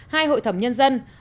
hai hội thẩm nhân dân